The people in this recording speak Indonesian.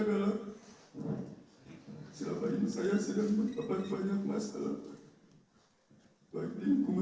selama ini saya sedang menyebabkan banyak masalah